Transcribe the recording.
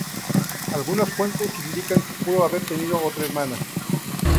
Algunas fuentes indican que pudo haber tenido otra hermana.